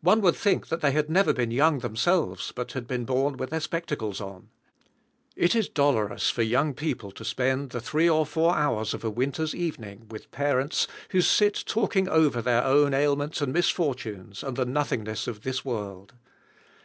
One would think that they had never been young themselves, but had been born with their spectacles on. It is dolorous for young people to spend the three or four hours of a winter's evening with parents who sit talking over their own ailments and misfortunes, and the nothingness of this world.